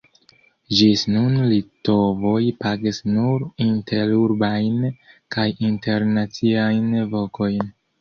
Ĝis nun litovoj pagis nur interurbajn kaj internaciajn vokojn.